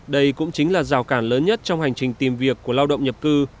đây cũng chính là rào cản lớn nhất trong hành trình tìm việc của lao động nhập cư